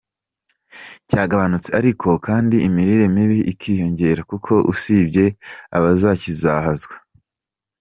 cyagabanutse ariko kandi imirire mibi ikiyongera kuko usibye abakizahazwa